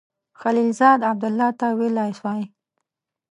خلیلزاد عبدالله ته ویلای سوای.